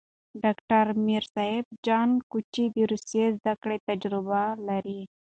ډاکټر میر صاب جان کوچي د روسي زدکړو تجربه لري.